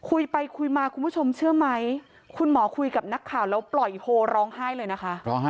คุยไปคุยมาคุณผู้ชมเชื่อไหมคุณหมอคุยกับนักข่าวแล้วปล่อยโฮร้องไห้เลยนะคะ